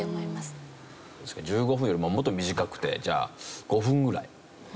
１５分よりももっと短くてじゃあ５分ぐらい。